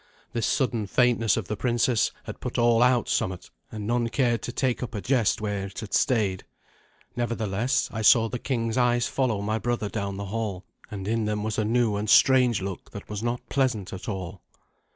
This sudden faintness of the princess had put all out somewhat, and none cared to take up a jest where it had stayed. Nevertheless, I saw the king's eyes follow my brother down the hall, and in them was a new and strange look that was not pleasant at all.